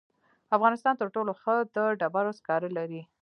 افغانستان تر ټولو ښه د ډبرو سکاره لري.